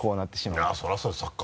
いやそりゃそうですよ。